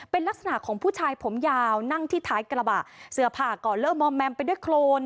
เป็นลักษณะของผู้ชายผมยาวนั่งที่ท้ายกระบะเสื้อผ้าก็เริ่มมอมแมมไปด้วยโครน